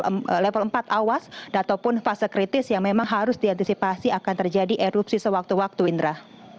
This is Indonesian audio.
jadi ini adalah tempat awas ataupun fase kritis yang memang harus diantisipasi akan terjadi erupsi sewaktu waktu indra